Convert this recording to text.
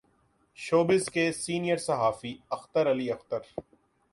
شو business کے senior صحافی اختر علی اختر